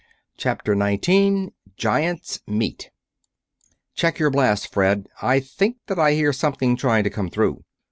CHAPTER 19 GIANTS MEET "Check your blast, Fred, I think that I hear something trying to come through!"